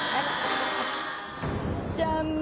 残念。